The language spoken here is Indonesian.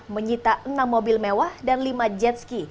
menyita enam mobil mewah dan lima jet ski